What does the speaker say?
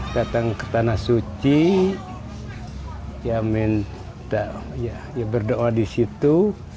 datang ke tanah suci berdoa di situ